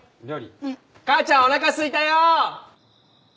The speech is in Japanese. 母ちゃんおなかすいたよ！